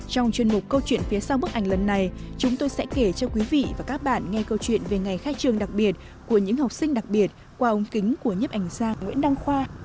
trong chuyên mục câu chuyện phía sau bức ảnh lần này chúng tôi sẽ kể cho quý vị và các bạn nghe câu chuyện về ngày khai trường đặc biệt của những học sinh đặc biệt qua ống kính của nhếp ảnh gia nguyễn đăng khoa